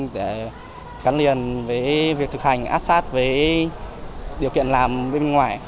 để cắn liền với việc thực hành áp sát với điều kiện làm bên ngoài